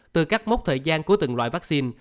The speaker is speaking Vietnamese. từ các mốc thời gian của từng loại vaccine